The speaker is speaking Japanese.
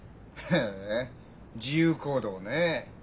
へえ自由行動ねえ。